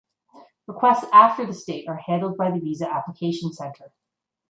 Requests after this date are handled by the visa application centre.